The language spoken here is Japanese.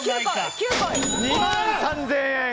２万３０００円。